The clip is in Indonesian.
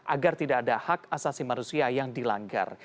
agar tidak ada hak asasi manusia yang dilanggar